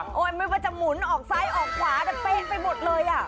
ไม่ว่าจะหมุนออกซ้ายออกขวาแต่เป็นไปหมดเลย